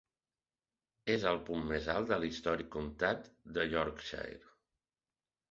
És el punt més alt de l'històric comtat de Yorkshire.